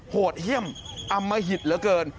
โหดเยี่ยมอมหิตเหลือเกิน